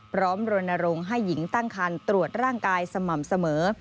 พร้อมโรนโรงให้หญิงตั้งครรภ์ตรวจร่างกายสม่ำเสมอ